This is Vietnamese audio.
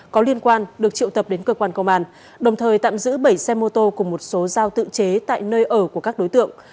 có liên quan được triệu tập đến cơ quan công an đồng thời tạm giữ bảy xe mô tô cùng một số giao tự chế tại nơi ở của các đối tượng